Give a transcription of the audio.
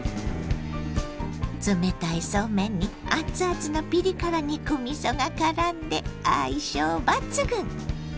冷たいそうめんに熱々のピリ辛肉みそがからんで相性抜群！